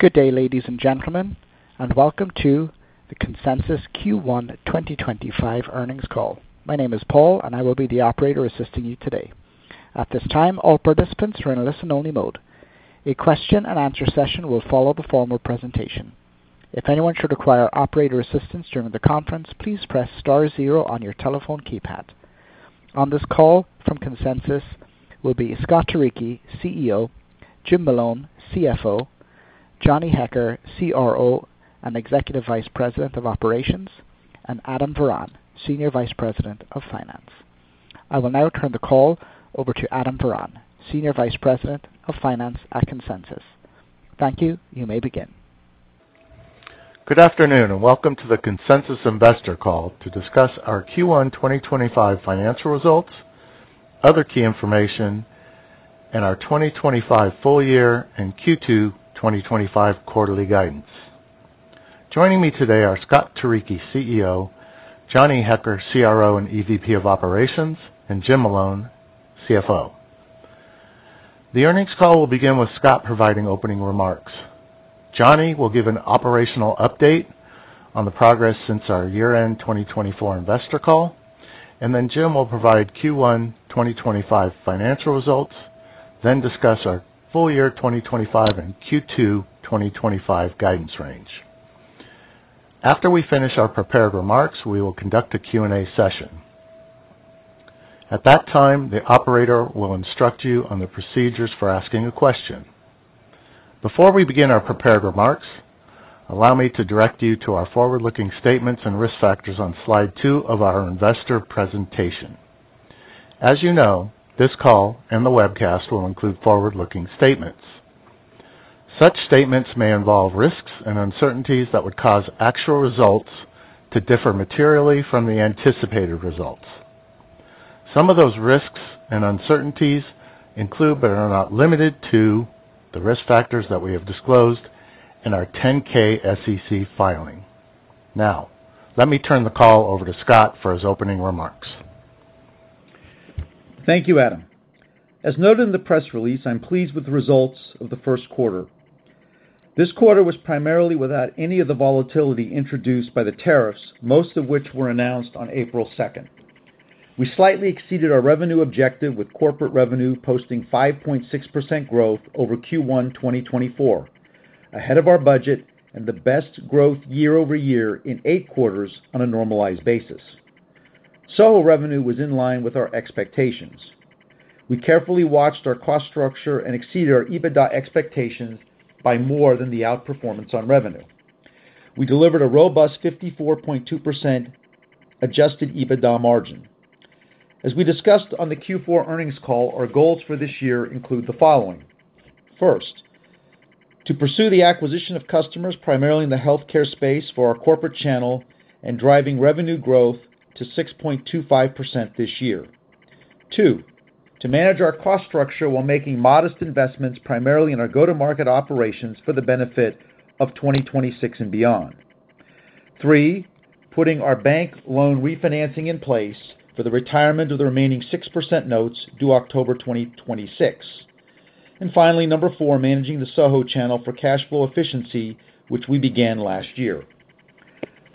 Good day, ladies and gentlemen, and welcome to the Consensus Q1 2025 earnings call. My name is Paul, and I will be the operator assisting you today. At this time, all participants are in listen-only mode. A question-and-answer session will follow the formal presentation. If anyone should require operator assistance during the conference, please press star zero on your telephone keypad. On this call from Consensus will be Scott Turicchi, CEO; Jim Malone, CFO; Johnny Hecker, CRO and Executive Vice President of Operations; and Adam Varon, Senior Vice President of Finance. I will now turn the call over to Adam Varon, Senior Vice President of Finance at Consensus. Thank you. You may begin. Good afternoon, and welcome to the Consensus Investor Call to discuss our Q1 2025 financial results, other key information, and our 2025 full year and Q2 2025 quarterly guidance. Joining me today are Scott Turicchi, CEO; Johnny Hecker, CRO and EVP of Operations; and Jim Malone, CFO. The earnings call will begin with Scott providing opening remarks. Johnny will give an operational update on the progress since our year-end 2024 investor call, and then Jim will provide Q1 2025 financial results, then discuss our full year 2025 and Q2 2025 guidance range. After we finish our prepared remarks, we will conduct a Q&A session. At that time, the operator will instruct you on the procedures for asking a question. Before we begin our prepared remarks, allow me to direct you to our forward-looking statements and risk factors on slide two of our investor presentation. As you know, this call and the webcast will include forward-looking statements. Such statements may involve risks and uncertainties that would cause actual results to differ materially from the anticipated results. Some of those risks and uncertainties include, but are not limited to, the risk factors that we have disclosed in our 10-K SEC filing. Now, let me turn the call over to Scott for his opening remarks. Thank you, Adam. As noted in the press release, I'm pleased with the results of the first quarter. This quarter was primarily without any of the volatility introduced by the tariffs, most of which were announced on April 2nd. We slightly exceeded our revenue objective, with corporate revenue posting 5.6% growth over Q1 2024, ahead of our budget and the best growth year-over-year in eight quarters on a normalized basis. Revenue was in line with our expectations. We carefully watched our cost structure and exceeded our EBITDA expectations by more than the outperformance on revenue. We delivered a robust 54.2% adjusted EBITDA margin. As we discussed on the Q4 earnings call, our goals for this year include the following. First, to pursue the acquisition of customers primarily in the healthcare space for our corporate channel and driving revenue growth to 6.25% this year. Two, to manage our cost structure while making modest investments primarily in our go-to-market operations for the benefit of 2026 and beyond. Three, putting our bank loan refinancing in place for the retirement of the remaining 6% notes due October 2026. Finally, number four, managing the Soho channel for cash flow efficiency, which we began last year.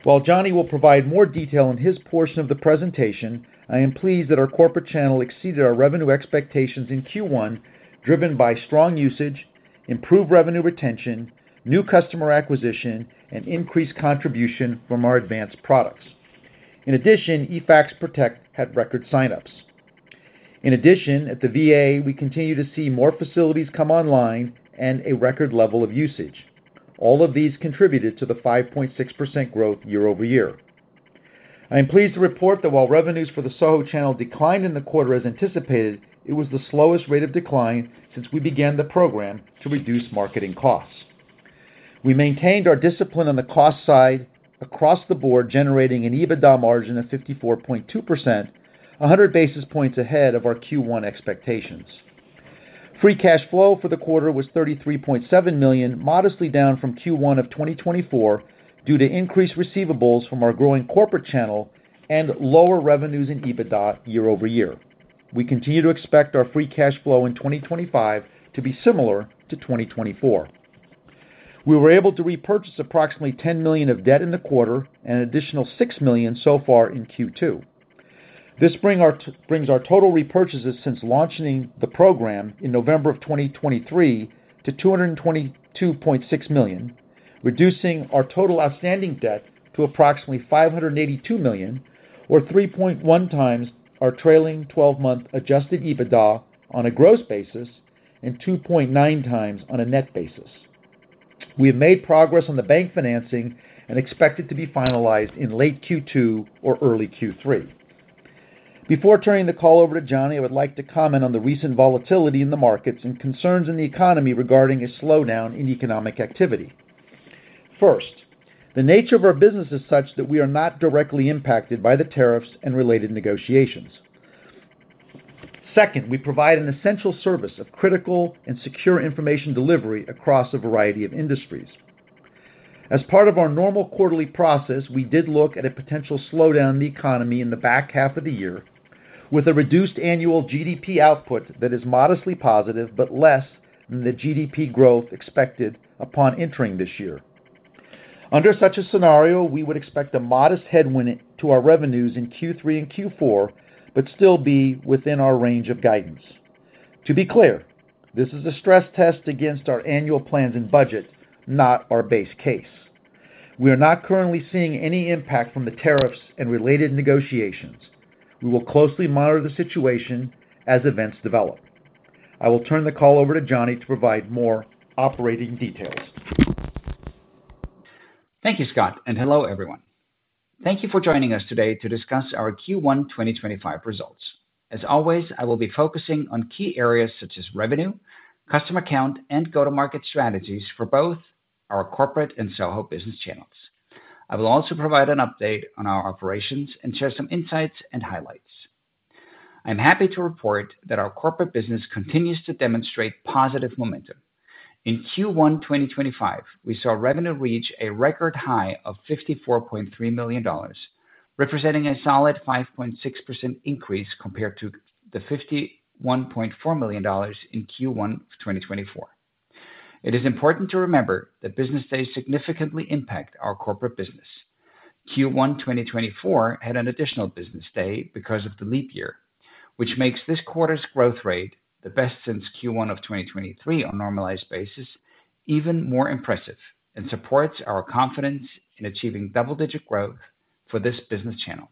While Johnny will provide more detail in his portion of the presentation, I am pleased that our corporate channel exceeded our revenue expectations in Q1, driven by strong usage, improved revenue retention, new customer acquisition, and increased contribution from our advanced products. In addition, eFax Protect had record signups. In addition, at the Department of Veterans Affairs, we continue to see more facilities come online and a record level of usage. All of these contributed to the 5.6% growth year-over-year. I am pleased to report that while revenues for the Soho channel declined in the quarter as anticipated, it was the slowest rate of decline since we began the program to reduce marketing costs. We maintained our discipline on the cost side across the board, generating an EBITDA margin of 54.2%, 100 basis points ahead of our Q1 expectations. Free cash flow for the quarter was $33.7 million, modestly down from Q1 of 2024 due to increased receivables from our growing corporate channel and lower revenues in EBITDA year-over-year. We continue to expect our free cash flow in 2025 to be similar to 2024. We were able to repurchase approximately $10 million of debt in the quarter and an additional $6 million so far in Q2. This brings our total repurchases since launching the program in November of 2023 to $222.6 million, reducing our total outstanding debt to approximately $582 million, or 3.1 times our trailing 12-month adjusted EBITDA on a gross basis and 2.9 times on a net basis. We have made progress on the bank financing and expect it to be finalized in late Q2 or early Q3. Before turning the call over to Johnny, I would like to comment on the recent volatility in the markets and concerns in the economy regarding a slowdown in economic activity. First, the nature of our business is such that we are not directly impacted by the tariffs and related negotiations. Second, we provide an essential service of critical and secure information delivery across a variety of industries. As part of our normal quarterly process, we did look at a potential slowdown in the economy in the back half of the year, with a reduced annual GDP output that is modestly positive but less than the GDP growth expected upon entering this year. Under such a scenario, we would expect a modest headwind to our revenues in Q3 and Q4 but still be within our range of guidance. To be clear, this is a stress test against our annual plans and budget, not our base case. We are not currently seeing any impact from the tariffs and related negotiations. We will closely monitor the situation as events develop. I will turn the call over to Johnny to provide more operating details. Thank you, Scott, and hello, everyone. Thank you for joining us today to discuss our Q1 2025 results. As always, I will be focusing on key areas such as revenue, customer count, and go-to-market strategies for both our corporate and Soho business channels. I will also provide an update on our operations and share some insights and highlights. I'm happy to report that our corporate business continues to demonstrate positive momentum. In Q1 2025, we saw revenue reach a record high of $54.3 million, representing a solid 5.6% increase compared to the $51.4 million in Q1 2024. It is important to remember that business days significantly impact our corporate business. Q1 2024 had an additional business day because of the leap year, which makes this quarter's growth rate, the best since Q1 of 2023 on a normalized basis, even more impressive and supports our confidence in achieving double-digit growth for this business channel.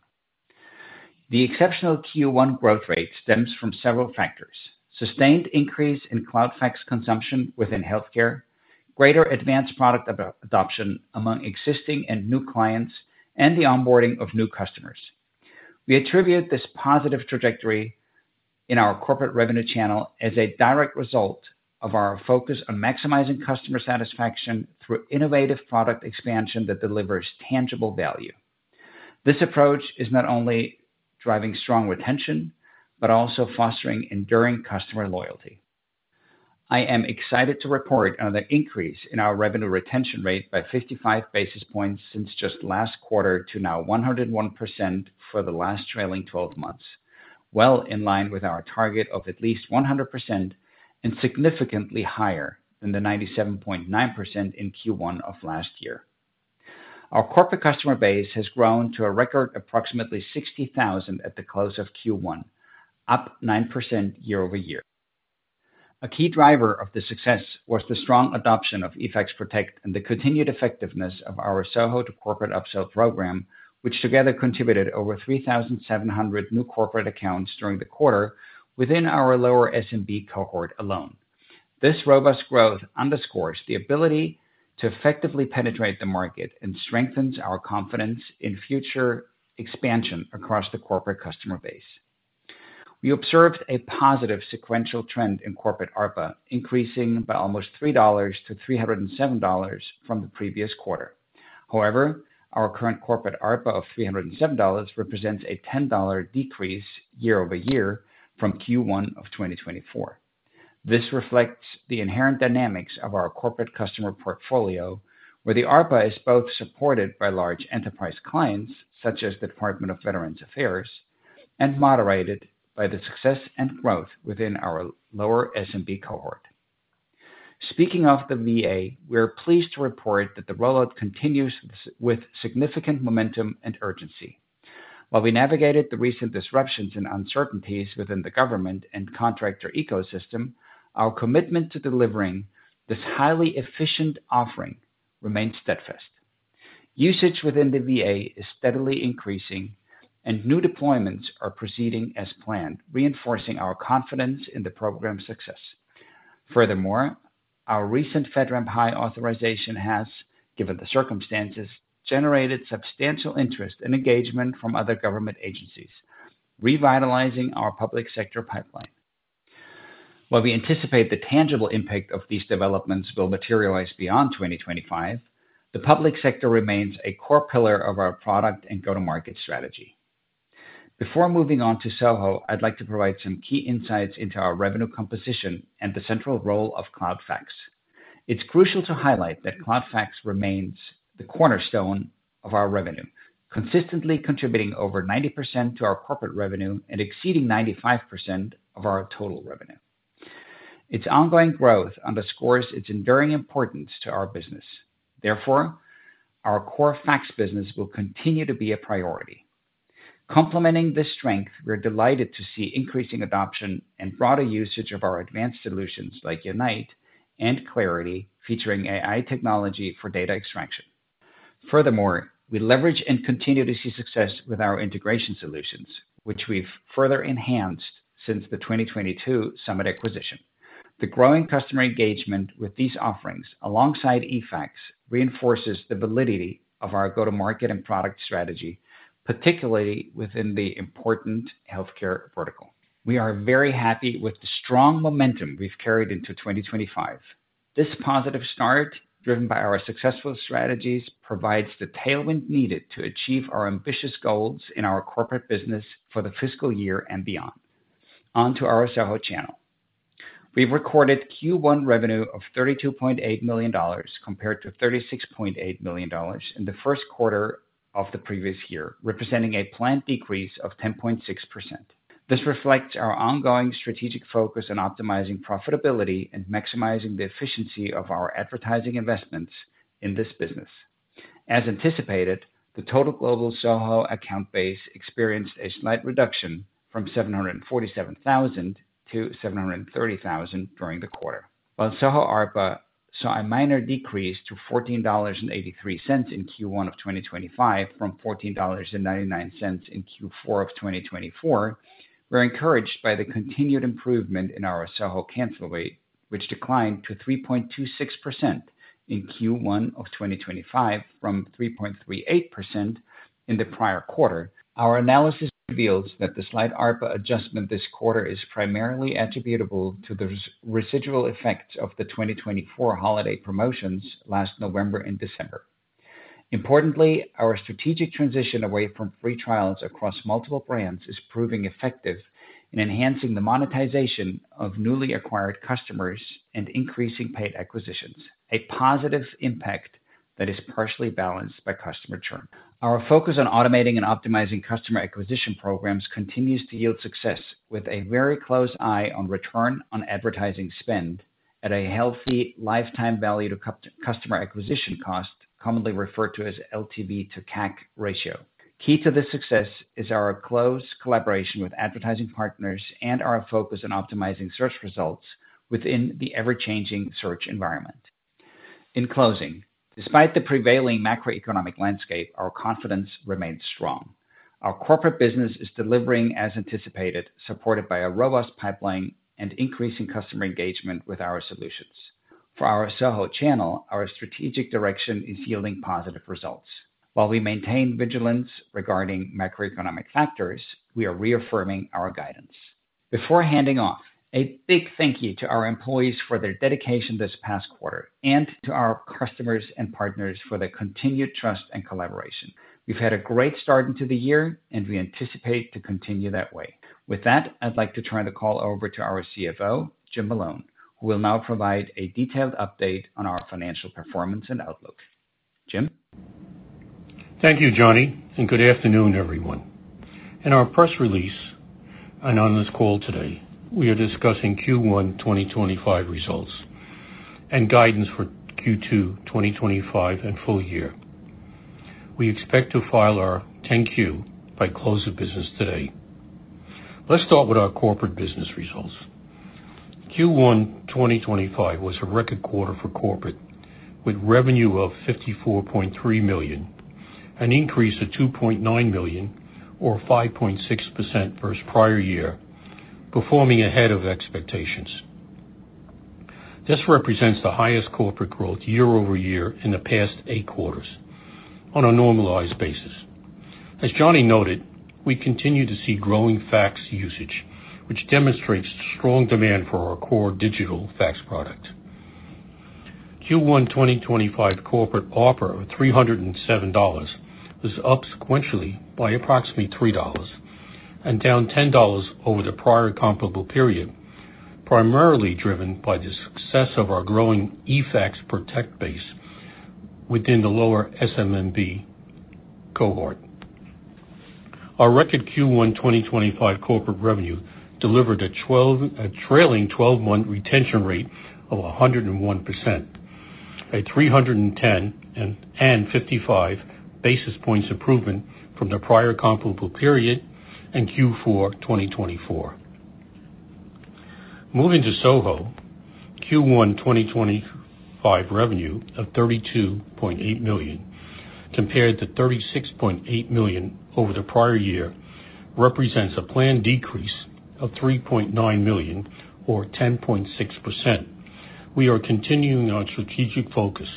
The exceptional Q1 growth rate stems from several factors: sustained increase in CloudFax consumption within healthcare, greater advanced product adoption among existing and new clients, and the onboarding of new customers. We attribute this positive trajectory in our corporate revenue channel as a direct result of our focus on maximizing customer satisfaction through innovative product expansion that delivers tangible value. This approach is not only driving strong retention but also fostering enduring customer loyalty. I am excited to report on the increase in our revenue retention rate by 55 basis points since just last quarter to now 101% for the last trailing 12 months, well in line with our target of at least 100% and significantly higher than the 97.9% in Q1 of last year. Our corporate customer base has grown to a record approximately 60,000 at the close of Q1, up 9% year-over-year. A key driver of the success was the strong adoption of eFax Protect and the continued effectiveness of our Soho to corporate upsell program, which together contributed over 3,700 new corporate accounts during the quarter within our lower SMB cohort alone. This robust growth underscores the ability to effectively penetrate the market and strengthens our confidence in future expansion across the corporate customer base. We observed a positive sequential trend in corporate ARPA, increasing by almost $3-$307 from the previous quarter. However, our current corporate ARPA of $307 represents a $10 decrease year-over-year from Q1 of 2024. This reflects the inherent dynamics of our corporate customer portfolio, where the ARPA is both supported by large enterprise clients, such as the Department of Veterans Affairs, and moderated by the success and growth within our lower SMB cohort. Speaking of the VA, we are pleased to report that the rollout continues with significant momentum and urgency. While we navigated the recent disruptions and uncertainties within the government and contractor ecosystem, our commitment to delivering this highly efficient offering remains steadfast. Usage within the VA is steadily increasing, and new deployments are proceeding as planned, reinforcing our confidence in the program's success. Furthermore, our recent FedRAMP high authorization has, given the circumstances, generated substantial interest and engagement from other government agencies, revitalizing our public sector pipeline. While we anticipate the tangible impact of these developments will materialize beyond 2025, the public sector remains a core pillar of our product and go-to-market strategy. Before moving on to Soho, I'd like to provide some key insights into our revenue composition and the central role of CloudFax. It's crucial to highlight that CloudFax remains the cornerstone of our revenue, consistently contributing over 90% to our corporate revenue and exceeding 95% of our total revenue. Its ongoing growth underscores its enduring importance to our business. Therefore, our core fax business will continue to be a priority. Complementing this strength, we're delighted to see increasing adoption and broader usage of our advanced solutions like Unite and Clarity, featuring AI technology for data extraction. Furthermore, we leverage and continue to see success with our integration solutions, which we've further enhanced since the 2022 Summit acquisition. The growing customer engagement with these offerings alongside eFax reinforces the validity of our go-to-market and product strategy, particularly within the important healthcare vertical. We are very happy with the strong momentum we've carried into 2025. This positive start, driven by our successful strategies, provides the tailwind needed to achieve our ambitious goals in our corporate business for the fiscal year and beyond. On to our Soho channel. We've recorded Q1 revenue of $32.8 million compared to $36.8 million in the first quarter of the previous year, representing a planned decrease of 10.6%. This reflects our ongoing strategic focus on optimizing profitability and maximizing the efficiency of our advertising investments in this business. As anticipated, the total global Soho account base experienced a slight reduction from 747,000-730,000 during the quarter. While Soho ARPA saw a minor decrease to $14.83 in Q1 of 2025 from $14.99 in Q4 of 2024, we're encouraged by the continued improvement in our Soho cancel rate, which declined to 3.26% in Q1 of 2025 from 3.38% in the prior quarter. Our analysis reveals that the slight ARPA adjustment this quarter is primarily attributable to the residual effects of the 2024 holiday promotions last November and December. Importantly, our strategic transition away from free trials across multiple brands is proving effective in enhancing the monetization of newly acquired customers and increasing paid acquisitions, a positive impact that is partially balanced by customer churn. Our focus on automating and optimizing customer acquisition programs continues to yield success, with a very close eye on return on advertising spend at a healthy lifetime value to customer acquisition cost, commonly referred to as LTV to CAC ratio. Key to this success is our close collaboration with advertising partners and our focus on optimizing search results within the ever-changing search environment. In closing, despite the prevailing macroeconomic landscape, our confidence remains strong. Our corporate business is delivering as anticipated, supported by a robust pipeline and increasing customer engagement with our solutions. For our Soho channel, our strategic direction is yielding positive results. While we maintain vigilance regarding macroeconomic factors, we are reaffirming our guidance. Before handing off, a big thank you to our employees for their dedication this past quarter and to our customers and partners for the continued trust and collaboration. We've had a great start into the year, and we anticipate to continue that way. With that, I'd like to turn the call over to our CFO, Jim Malone, who will now provide a detailed update on our financial performance and outlook. Jim? Thank you, Johnny, and good afternoon, everyone. In our press release and on this call today, we are discussing Q1 2025 results and guidance for Q2 2025 and full year. We expect to file our 10-Q by close of business today. Let's start with our corporate business results. Q1 2025 was a record quarter for corporate, with revenue of $54.3 million and an increase of $2.9 million, or 5.6% versus prior year, performing ahead of expectations. This represents the highest corporate growth year-over-year in the past eight quarters on a normalized basis. As Johnny noted, we continue to see growing fax usage, which demonstrates strong demand for our core digital fax product. Q1 2025 corporate ARPA of $307 was up sequentially by approximately $3 and down $10 over the prior comparable period, primarily driven by the success of our growing eFax Protect base within the lower SMMB cohort. Our record Q1 2025 corporate revenue delivered a trailing 12-month retention rate of 101%, a 310 and 55 basis points improvement from the prior comparable period and Q4 2024. Moving to Soho, Q1 2025 revenue of $32.8 million, compared to $36.8 million over the prior year, represents a planned decrease of $3.9 million, or 10.6%. We are continuing our strategic focus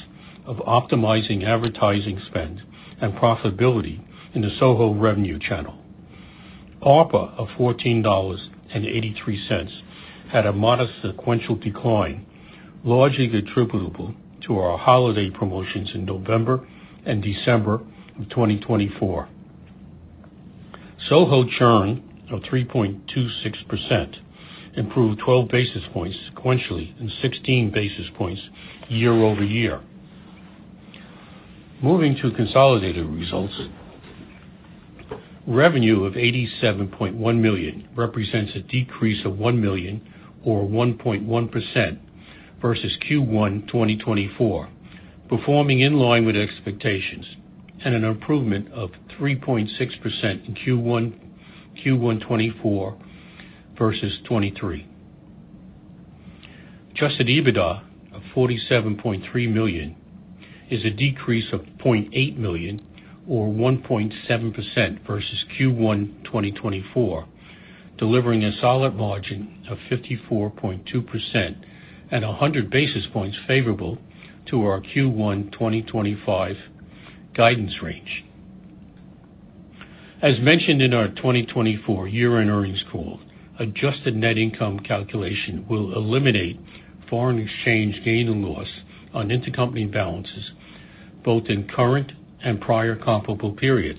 of optimizing advertising spend and profitability in the Soho revenue channel. ARPA of $14.83 had a modest sequential decline, largely attributable to our holiday promotions in November and December of 2024. Soho churn of 3.26% improved 12 basis points sequentially and 16 basis points year-over-year. Moving to consolidated results, revenue of $87.1 million represents a decrease of $1 million, or 1.1%, versus Q1 2024, performing in line with expectations and an improvement of 3.6% in Q1 2024 versus 2023. Just EBITDA $47.3 million is a decrease of $0.8 million, or 1.7%, versus Q1 2024, delivering a solid margin of 54.2% and 100 basis points favorable to our Q1 2025 guidance range. As mentioned in our 2024 year-end earnings call, adjusted net income calculation will eliminate foreign exchange gain and loss on intercompany balances both in current and prior comparable periods.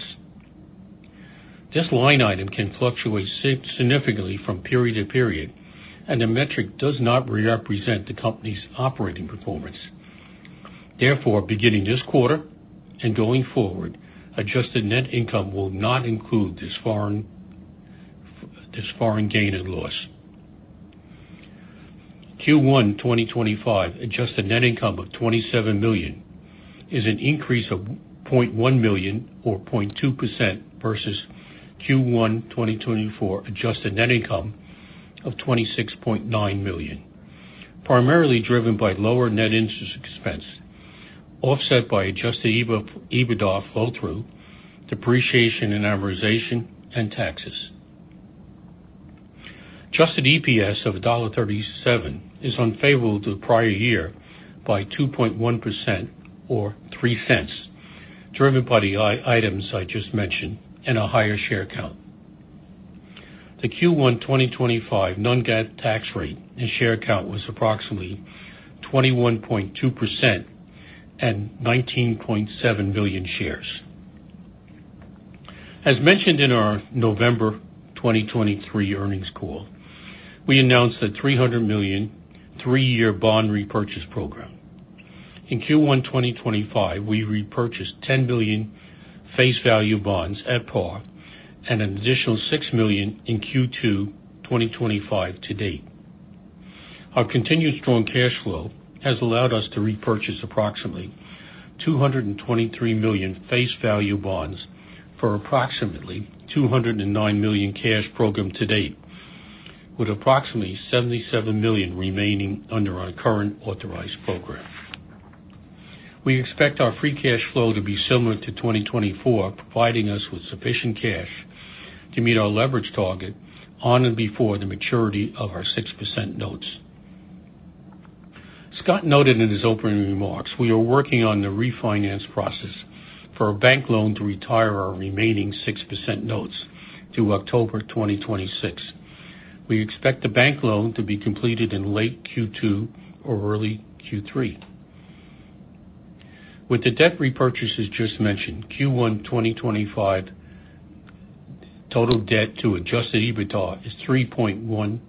This line item can fluctuate significantly from period to period, and the metric does not represent the company's operating performance. Therefore, beginning this quarter and going forward, adjusted net income will not include this foreign gain and loss. Q1 2025 adjusted net income of $27 million is an increase of $0.1 million, or 0.2%, versus Q1 2024 adjusted net income of $26.9 million, primarily driven by lower net interest expense, offset by adjusted EBITDA flow-through, depreciation, amortization, and taxes. Just EPS of $1.37 is unfavorable to the prior year by 2.1%, or $0.03, driven by the items I just mentioned and a higher share count. The Q1 2025 non-GAAP tax rate and share count was approximately 21.2% and 19.7 million shares. As mentioned in our November 2023 earnings call, we announced the $300 million three-year bond repurchase program. In Q1 2025, we repurchased $10 million face value bonds at par and an additional $6 million in Q2 2025 to date. Our continued strong cash flow has allowed us to repurchase approximately $223 million face value bonds for approximately $209 million cash program to date, with approximately $77 million remaining under our current authorized program. We expect our free cash flow to be similar to 2024, providing us with sufficient cash to meet our leverage target on and before the maturity of our 6% notes. Scott noted in his opening remarks, we are working on the refinance process for a bank loan to retire our remaining 6% notes to October 2026. We expect the bank loan to be completed in late Q2 or early Q3. With the debt repurchases just mentioned, Q1 2025 total debt to adjusted EBITDA is 3.1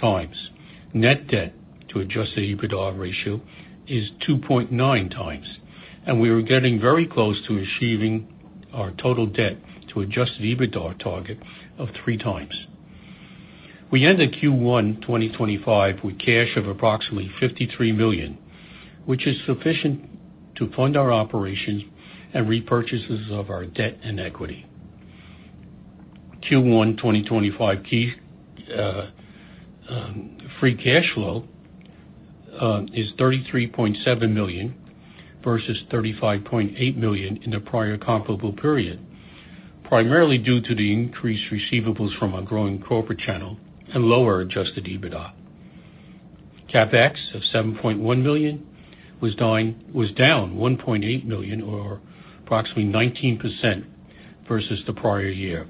times, net debt to adjusted EBITDA ratio is 2.9 times, and we are getting very close to achieving our total debt to adjusted EBITDA target of three times. We ended Q1 2025 with cash of approximately $53 million, which is sufficient to fund our operations and repurchases of our debt and equity. Q1 2025 free cash flow is $33.7 million versus $35.8 million in the prior comparable period, primarily due to the increased receivables from our growing corporate channel and lower adjusted EBITDA. CapEx of $7.1 million was down $1.8 million, or approximately 19%, versus the prior year.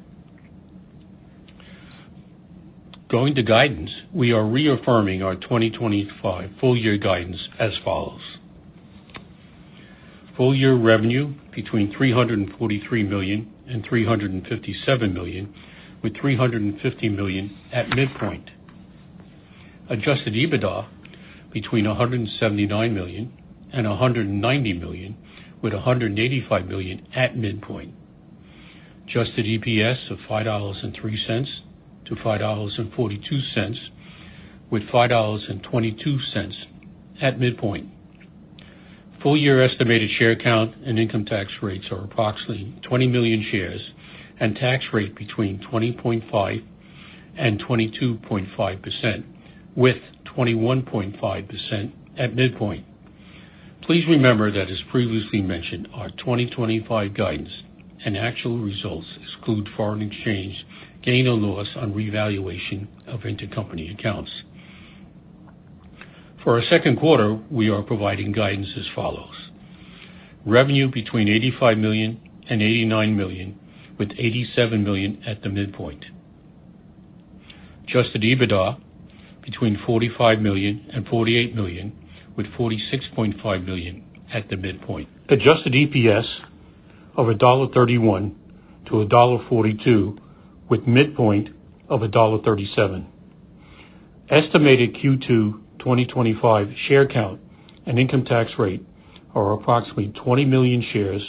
Going to guidance, we are reaffirming our 2025 full-year guidance as follows: full-year revenue between $343 million and $357 million, with $350 million at midpoint; adjusted EBITDA between $179 million and $190 million, with $185 million at midpoint; adjusted EPS of $5.03-$5.42, with $5.22 at midpoint; full-year estimated share count and income tax rates are approximately 20 million shares and tax rate between 20.5%-22.5%, with 21.5% at midpoint. Please remember that, as previously mentioned, our 2025 guidance and actual results exclude foreign exchange gain or loss on revaluation of intercompany accounts. For our second quarter, we are providing guidance as follows: revenue between $85 million and $89 million, with $87 million at the midpoint. Adjusted EBITDA between $45 million and $48 million, with $46.5 million at the midpoint. Adjusted EPS of $31-$42, with midpoint of $37. Estimated Q2 2025 share count and income tax rate are approximately 20 million shares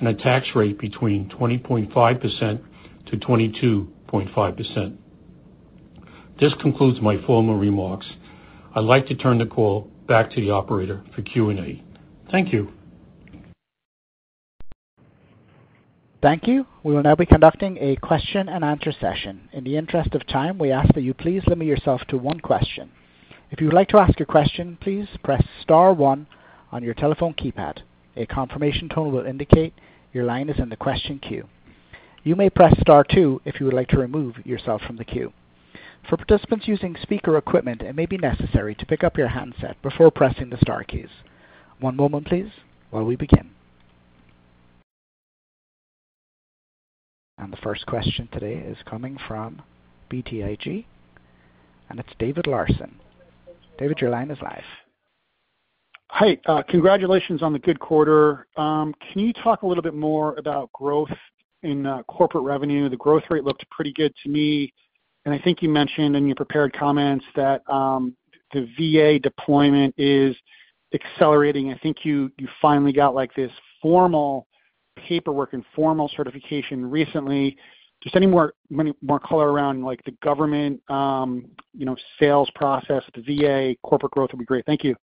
and a tax rate between 20.5%-22.5%. This concludes my formal remarks. I'd like to turn the call back to the operator for Q&A. Thank you. Thank you. We will now be conducting a question-and-answer session. In the interest of time, we ask that you please limit yourself to one question. If you would like to ask a question, please press star one on your telephone keypad. A confirmation tone will indicate your line is in the question queue. You may press star two if you would like to remove yourself from the queue. For participants using speaker equipment, it may be necessary to pick up your handset before pressing the star keys. One moment, please, while we begin. The first question today is coming from BTIG, and it's David Larsen. David, your line is live. Hi. Congratulations on the good quarter. Can you talk a little bit more about growth in corporate revenue? The growth rate looked pretty good to me. I think you mentioned in your prepared comments that the VA deployment is accelerating. I think you finally got this formal paperwork and formal certification recently. Just any more color around the government sales process at the VA, corporate growth would be great. Thank you.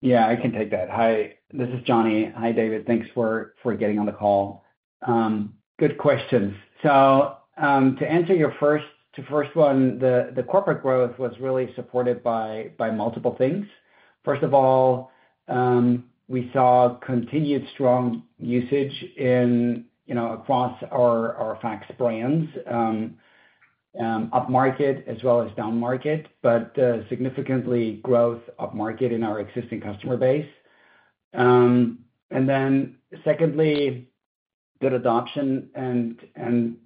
Yeah, I can take that. Hi. This is Johnny. Hi, David. Thanks for getting on the call. Good questions. To answer your first one, the corporate growth was really supported by multiple things. First of all, we saw continued strong usage across our fax brands, up market as well as down market, but significant growth up market in our existing customer base. Secondly, good adoption and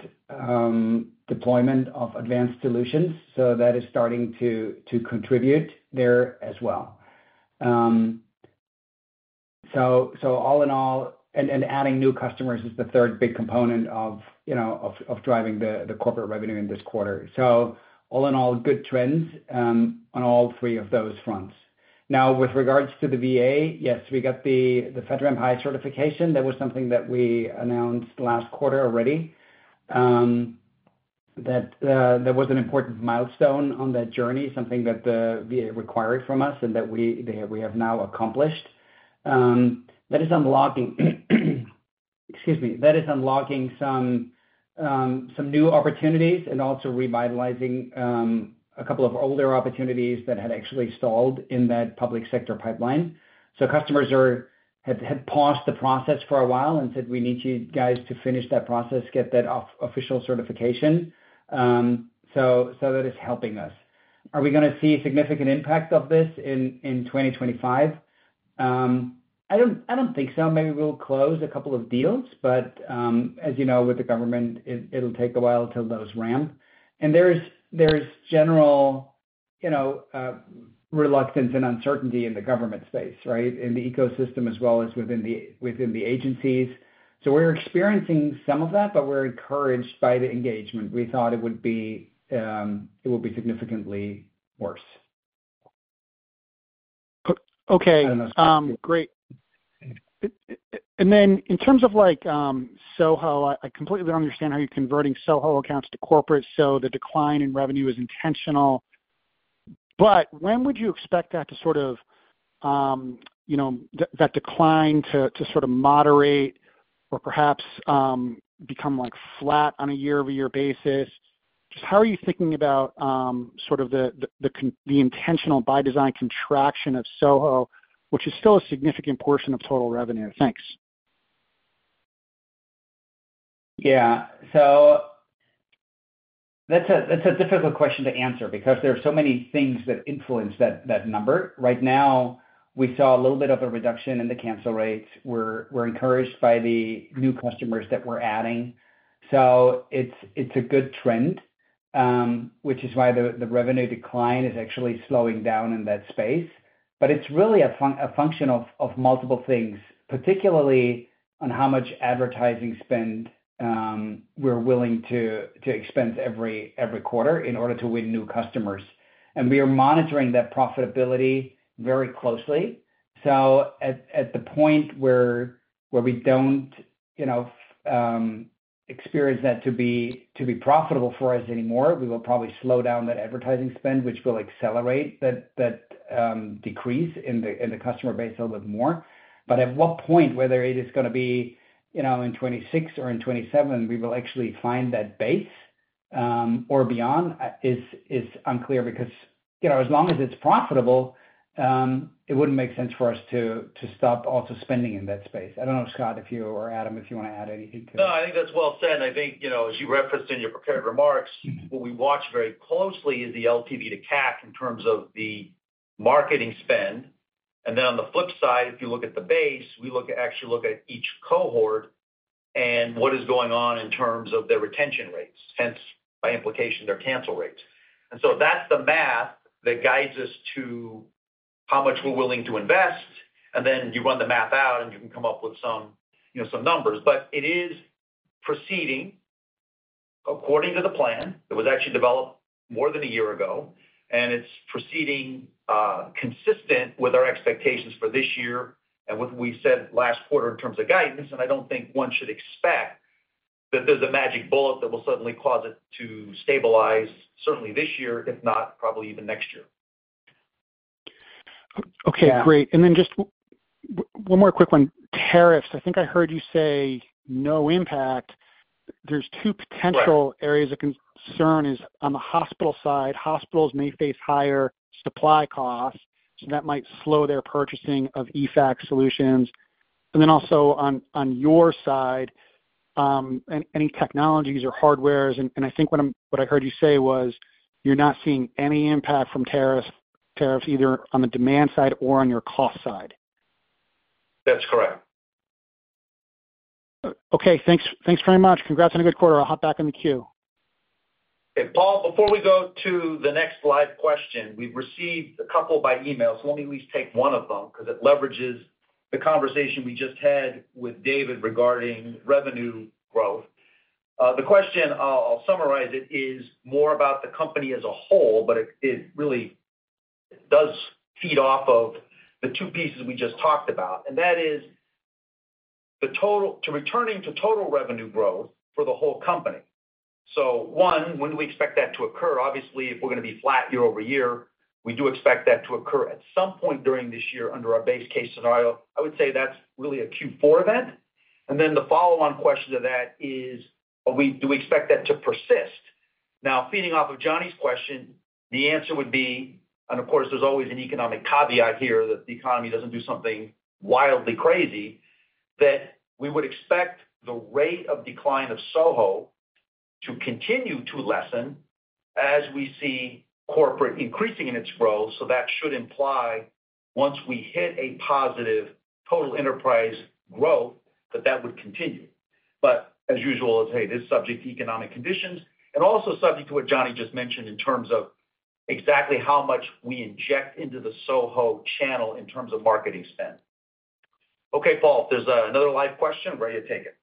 deployment of advanced solutions. That is starting to contribute there as well. All in all, and adding new customers is the third big component of driving the corporate revenue in this quarter. All in all, good trends on all three of those fronts. Now, with regards to the VA, yes, we got the FedRAMP high certification. That was something that we announced last quarter already, that there was an important milestone on that journey, something that the VA required from us and that we have now accomplished. That is unlocking, excuse me, that is unlocking some new opportunities and also revitalizing a couple of older opportunities that had actually stalled in that public sector pipeline. Customers had paused the process for a while and said, "We need you guys to finish that process, get that official certification." That is helping us. Are we going to see a significant impact of this in 2025? I do not think so. Maybe we will close a couple of deals. As you know, with the government, it will take a while till those ramp. There is general reluctance and uncertainty in the government space, right, in the ecosystem as well as within the agencies. We're experiencing some of that, but we're encouraged by the engagement. We thought it would be significantly worse. Okay. Great. In terms of Soho, I completely understand how you're converting Soho accounts to corporate. The decline in revenue is intentional. When would you expect that decline to sort of moderate or perhaps become flat on a year-over-year basis? Just how are you thinking about the intentional by-design contraction of Soho, which is still a significant portion of total revenue? Thanks. Yeah. That's a difficult question to answer because there are so many things that influence that number. Right now, we saw a little bit of a reduction in the cancel rates. We're encouraged by the new customers that we're adding. It's a good trend, which is why the revenue decline is actually slowing down in that space. It's really a function of multiple things, particularly on how much advertising spend we're willing to expend every quarter in order to win new customers. We are monitoring that profitability very closely. At the point where we don't experience that to be profitable for us anymore, we will probably slow down that advertising spend, which will accelerate that decrease in the customer base a little bit more. At what point, whether it is going to be in 2026 or in 2027, we will actually find that base or beyond is unclear because as long as it's profitable, it wouldn't make sense for us to stop also spending in that space. I don't know, Scott, if you or Adam, if you want to add anything to that. No, I think that's well said. I think, as you referenced in your prepared remarks, what we watch very closely is the LTV to CAC in terms of the marketing spend. On the flip side, if you look at the base, we actually look at each cohort and what is going on in terms of their retention rates, hence by implication, their cancel rates. That's the math that guides us to how much we're willing to invest. You run the math out, and you can come up with some numbers. It is proceeding according to the plan that was actually developed more than a year ago. It is proceeding consistent with our expectations for this year and what we said last quarter in terms of guidance. I don't think one should expect that there's a magic bullet that will suddenly cause it to stabilize, certainly this year, if not probably even next year. Okay. Great. Then just one more quick one. Tariffs. I think I heard you say no impact. There are two potential areas of concern. On the hospital side, hospitals may face higher supply costs, so that might slow their purchasing of EFAC solutions. Also, on your side, any technologies or hardwares? I think what I heard you say was you're not seeing any impact from tariffs, either on the demand side or on your cost side. That's correct. Okay. Thanks very much. Congrats on a good quarter. I'll hop back in the queue. Paul, before we go to the next live question, we've received a couple by email. Let me at least take one of them because it leverages the conversation we just had with David regarding revenue growth. The question, I'll summarize it, is more about the company as a whole, but it really does feed off of the two pieces we just talked about. That is returning to total revenue growth for the whole company. One, when do we expect that to occur? Obviously, if we're going to be flat year-over-year, we do expect that to occur at some point during this year under our base case scenario. I would say that's really a Q4 event. The follow-on question to that is, do we expect that to persist? Now, feeding off of Johnny's question, the answer would be—and of course, there's always an economic caveat here that the economy doesn't do something wildly crazy—that we would expect the rate of decline of Soho to continue to lessen as we see corporate increasing in its growth. That should imply, once we hit a positive total enterprise growth, that that would continue. As usual, it's hey, this is subject to economic conditions and also subject to what Johnny just mentioned in terms of exactly how much we inject into the Soho channel in terms of marketing spend. Okay, Paul, there's another live question. I'm ready to take it.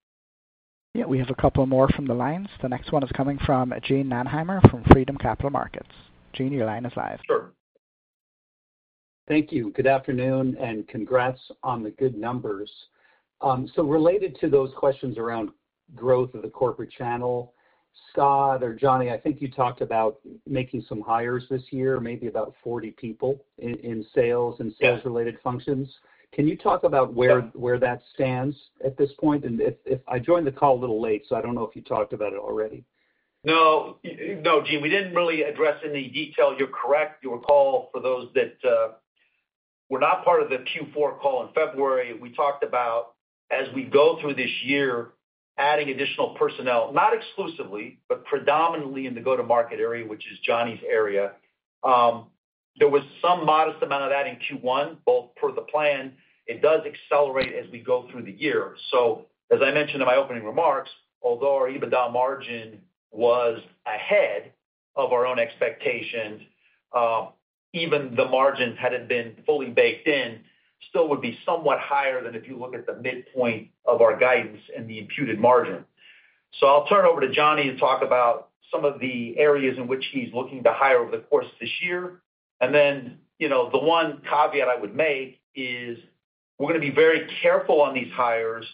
Yeah. We have a couple more from the lines. The next one is coming from Jean Mannheimer from Freedom Capital Markets. Jean, your line is live. Sure. Thank you. Good afternoon, and congrats on the good numbers. Related to those questions around growth of the corporate channel, Scott or Johnny, I think you talked about making some hires this year, maybe about 40 people in sales and sales-related functions. Can you talk about where that stands at this point? I joined the call a little late, so I do not know if you talked about it already. No. No, Jean, we did not really address in the detail. You are correct. Your call for those that were not part of the Q4 call in February, we talked about, as we go through this year, adding additional personnel, not exclusively, but predominantly in the go-to-market area, which is Johnny's area. There was some modest amount of that in Q1, both per the plan. It does accelerate as we go through the year. As I mentioned in my opening remarks, although our EBITDA margin was ahead of our own expectations, even the margin had it been fully baked in, still would be somewhat higher than if you look at the midpoint of our guidance and the imputed margin. I will turn it over to Johnny to talk about some of the areas in which he is looking to hire over the course of this year. The one caveat I would make is we're going to be very careful on these hires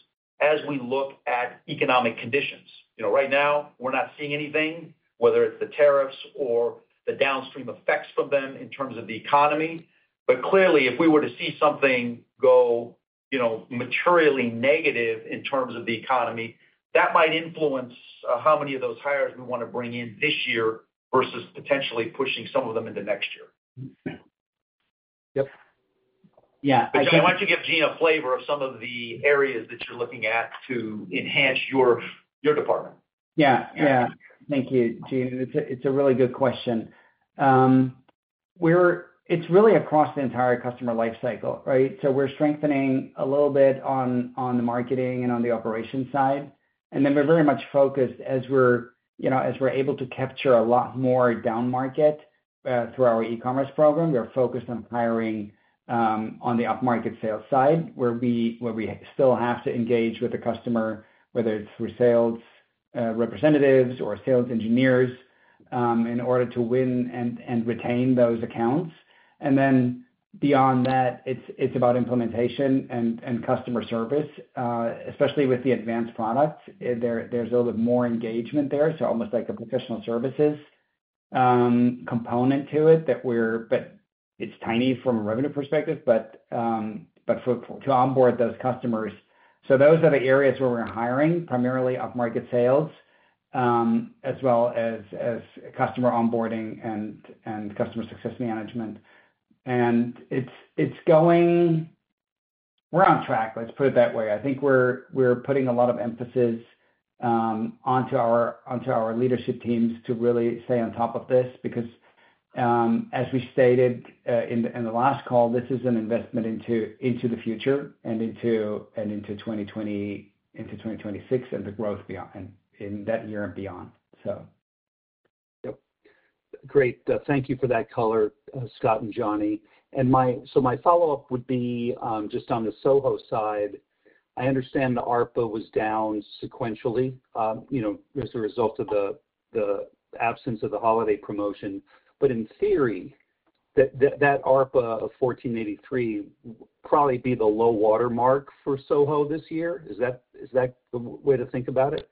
as we look at economic conditions. Right now, we're not seeing anything, whether it's the tariffs or the downstream effects from them in terms of the economy. Clearly, if we were to see something go materially negative in terms of the economy, that might influence how many of those hires we want to bring in this year versus potentially pushing some of them into next year. Yep. Yeah. I just wanted to give Jean a flavor of some of the areas that you're looking at to enhance your department. Yeah. Yeah. Thank you, Jean. It's a really good question. It's really across the entire customer lifecycle, right? We're strengthening a little bit on the marketing and on the operations side. We are very much focused as we're able to capture a lot more down market through our e-commerce program. We are focused on hiring on the up-market sales side where we still have to engage with the customer, whether it's through sales representatives or sales engineers, in order to win and retain those accounts. Beyond that, it's about implementation and customer service, especially with the advanced products. There's a little bit more engagement there, almost like a professional services component to it, but it's tiny from a revenue perspective, but to onboard those customers. Those are the areas where we're hiring, primarily up-market sales as well as customer onboarding and customer success management. We're on track, let's put it that way. I think we're putting a lot of emphasis onto our leadership teams to really stay on top of this because, as we stated in the last call, this is an investment into the future and into 2026 and the growth in that year and beyond. Yep. Great. Thank you for that color, Scott and Johnny. My follow-up would be just on the Soho side. I understand the ARPA was down sequentially as a result of the absence of the holiday promotion. In theory, that ARPA of 1,483 would probably be the low watermark for Soho this year. Is that the way to think about it?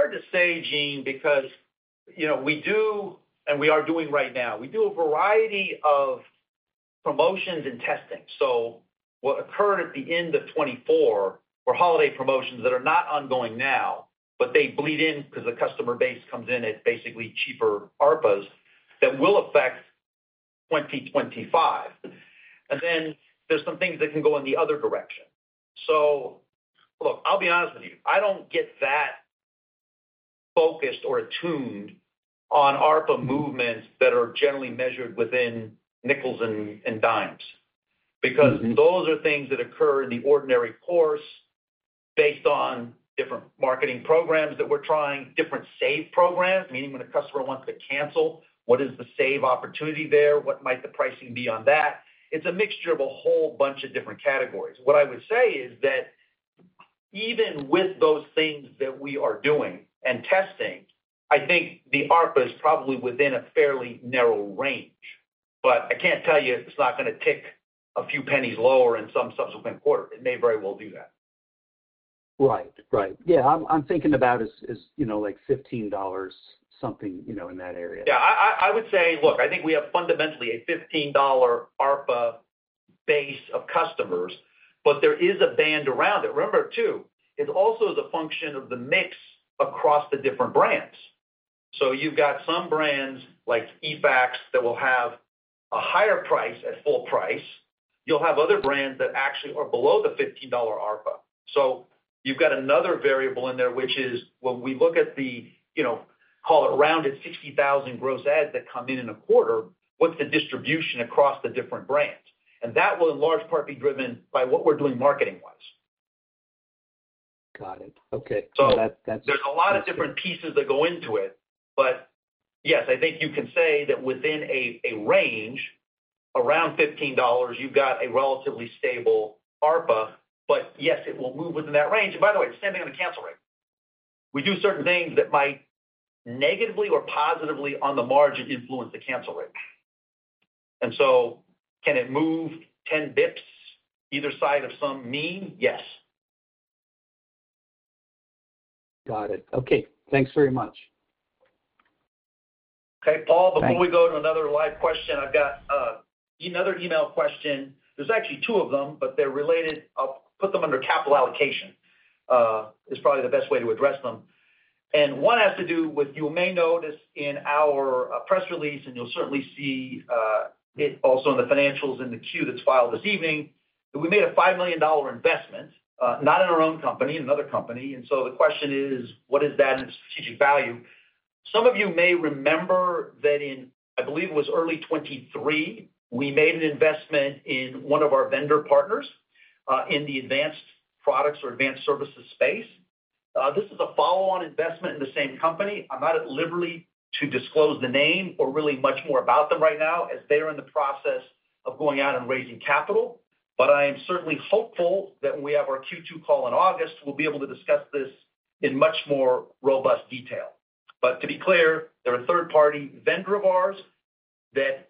It's hard to say, Jean, because we do, and we are doing right now. We do a variety of promotions and testing. What occurred at the end of 2024 were holiday promotions that are not ongoing now, but they bleed in because the customer base comes in at basically cheaper ARPAs that will affect 2025. There are some things that can go in the other direction. Look, I'll be honest with you. I don't get that focused or attuned on ARPA movements that are generally measured within nickels and dimes because those are things that occur in the ordinary course based on different marketing programs that we're trying, different save programs, meaning when a customer wants to cancel, what is the save opportunity there? What might the pricing be on that? It's a mixture of a whole bunch of different categories. What I would say is that even with those things that we are doing and testing, I think the ARPAs probably within a fairly narrow range. I can't tell you it's not going to tick a few pennies lower in some subsequent quarter. It may very well do that. Right. Right. Yeah. I'm thinking about it as like $15 something in that area. Yeah. I would say, look, I think we have fundamentally a $15 ARPA base of customers, but there is a band around it. Remember, too, it's also the function of the mix across the different brands. So you've got some brands like eFax that will have a higher price at full price. You'll have other brands that actually are below the $15 ARPA. So you've got another variable in there, which is when we look at the, call it around 60,000 gross ads that come in in a quarter, what's the distribution across the different brands? And that will, in large part, be driven by what we're doing marketing-wise. Got it. Okay. So that's. There is a lot of different pieces that go into it. Yes, I think you can say that within a range around $15, you have got a relatively stable ARPA. Yes, it will move within that range. By the way, it is standing on a cancel rate. We do certain things that might negatively or positively on the margin influence the cancel rate. Can it move 10 basis points either side of some mean? Yes. Got it. Okay. Thanks very much. Okay. Paul, before we go to another live question, I've got another email question. There's actually two of them, but they're related. I'll put them under capital allocation is probably the best way to address them. One has to do with you may notice in our press release, and you'll certainly see it also in the financials in the Q that is filed this evening, that we made a $5 million investment, not in our own company, in another company. The question is, what is that in strategic value? Some of you may remember that in, I believe it was early 2023, we made an investment in one of our vendor partners in the advanced products or advanced services space. This is a follow-on investment in the same company. I'm not at liberty to disclose the name or really much more about them right now as they are in the process of going out and raising capital. I am certainly hopeful that when we have our Q2 call in August, we'll be able to discuss this in much more robust detail. To be clear, they're a third-party vendor of ours that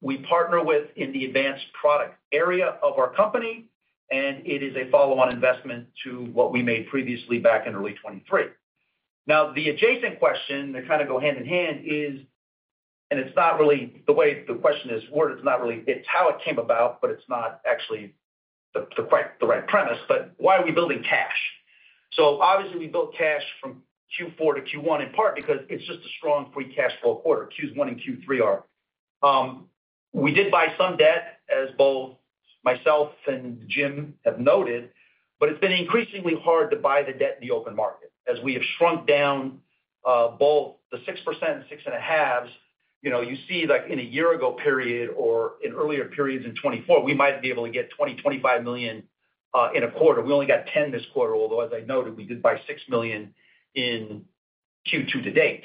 we partner with in the advanced product area of our company. It is a follow-on investment to what we made previously back in early 2023. Now, the adjacent question, they kind of go hand in hand, is, and it's not really the way the question is worded, it's not really how it came about, but it's not actually the right premise. Why are we building cash? Obviously, we built cash from Q4 to Q1 in part because it is just a strong free cash flow quarter. Q1s and Q3s are. We did buy some debt, as both myself and Jim have noted, but it has been increasingly hard to buy the debt in the open market as we have shrunk down both the 6% and 6.5%. You see in a year-ago period or in earlier periods in 2024, we might be able to get $20 million-$25 million in a quarter. We only got $10 million this quarter, although, as I noted, we did buy $6 million in Q2 to date.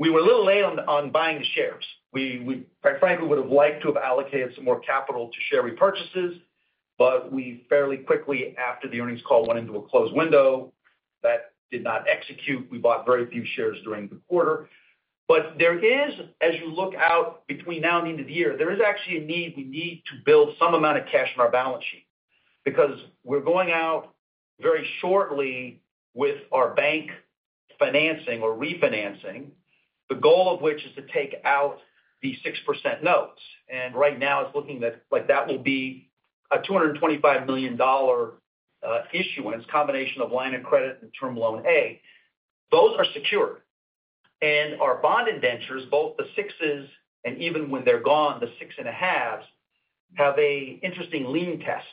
We were a little late on buying the shares. We quite frankly would have liked to have allocated some more capital to share repurchases, but we fairly quickly, after the earnings call, went into a close window that did not execute. We bought very few shares during the quarter. There is, as you look out between now and the end of the year, actually a need we need to build some amount of cash in our balance sheet because we're going out very shortly with our bank financing or refinancing, the goal of which is to take out the 6% notes. Right now, it's looking that that will be a $225 million issuance, combination of line of credit and term loan A. Those are secured. Our bond indentures, both the 6s and even when they're gone, the 6 and a halves, have an interesting lien test.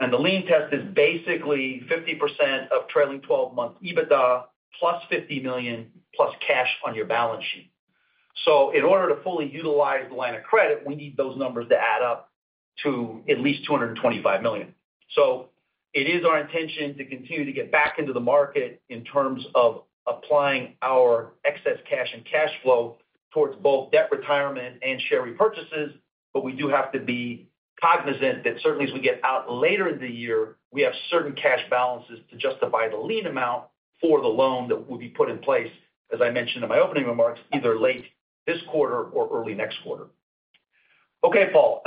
The lien test is basically 50% of trailing 12-month EBITDA plus $50 million plus cash on your balance sheet. In order to fully utilize the line of credit, we need those numbers to add up to at least $225 million. It is our intention to continue to get back into the market in terms of applying our excess cash and cash flow towards both debt retirement and share repurchases. We do have to be cognizant that certainly, as we get out later in the year, we have certain cash balances to justify the lean amount for the loan that will be put in place, as I mentioned in my opening remarks, either late this quarter or early next quarter. Okay, Paul.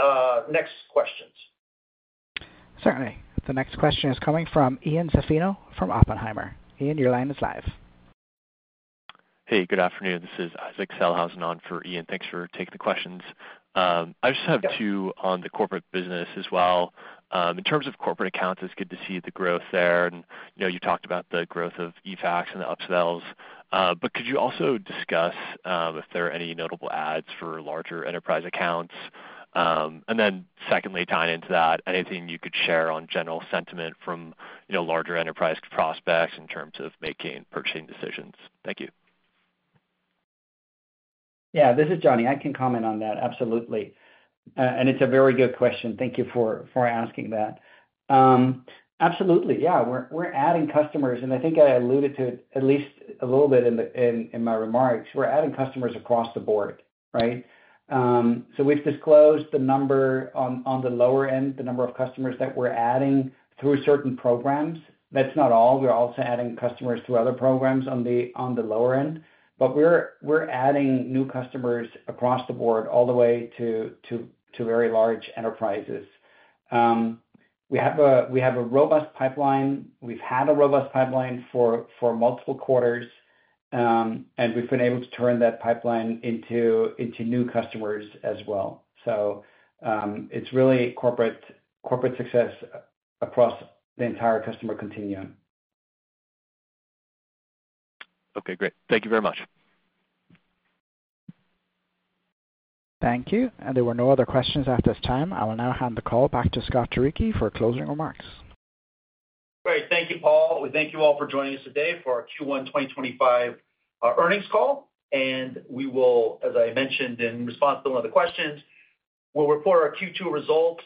Next questions. Certainly. The next question is coming from Ian Zaffino from Oppenheimer. Ian, your line is live. Hey, good afternoon. This is Isaac Sellhausen on for Ian. Thanks for taking the questions. I just have two on the corporate business as well. In terms of corporate accounts, it's good to see the growth there. You talked about the growth of eFax and the upsells. Could you also discuss if there are any notable adds for larger enterprise accounts? Secondly, tying into that, anything you could share on general sentiment from larger enterprise prospects in terms of making purchasing decisions? Thank you. Yeah. This is Johnny. I can comment on that. Absolutely. It is a very good question. Thank you for asking that. Absolutely. Yeah. We are adding customers. I think I alluded to it at least a little bit in my remarks. We are adding customers across the board, right? We have disclosed the number on the lower end, the number of customers that we are adding through certain programs. That is not all. We are also adding customers through other programs on the lower end. We are adding new customers across the board all the way to very large enterprises. We have a robust pipeline. We have had a robust pipeline for multiple quarters. We have been able to turn that pipeline into new customers as well. It is really corporate success across the entire customer continuum. Okay. Great. Thank you very much. Thank you. There were no other questions at this time. I will now hand the call back to Scott Turicchi for closing remarks. Great. Thank you, Paul. We thank you all for joining us today for our Q1 2025 earnings call. As I mentioned in response to one of the questions, we'll report our Q2 results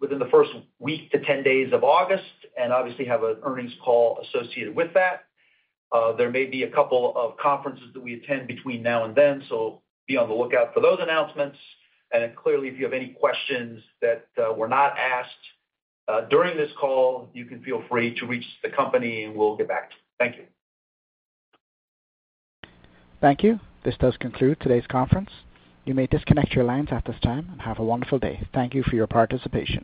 within the first week to 10 days of August and obviously have an earnings call associated with that. There may be a couple of conferences that we attend between now and then. Be on the lookout for those announcements. If you have any questions that were not asked during this call, you can feel free to reach the company, and we'll get back to you. Thank you. Thank you. This does conclude today's conference. You may disconnect your lines at this time and have a wonderful day. Thank you for your participation.